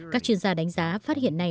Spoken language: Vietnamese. các chuyên gia đánh giá phát hiện này